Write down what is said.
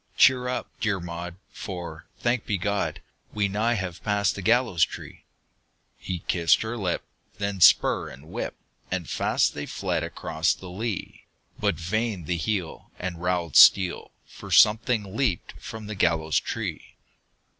"Cheer up, dear Maud, for, thanked be God, We nigh have passed the gallows tree!" He kissed her lip; then spur and whip! And fast they fled across the lea! But vain the heel and rowel steel, For something leaped from the gallows tree!